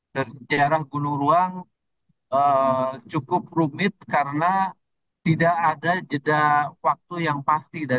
dan jarak gunung ruang cukup rumit karena tidak ada jeda waktu yang pasti